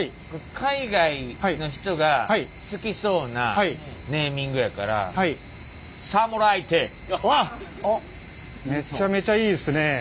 海外の人が好きそうなネーミングやからめっちゃめちゃいいですねえ。